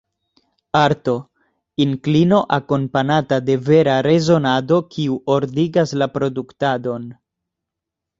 Arto: inklino akompanata de vera rezonado kiu ordigas la produktadon.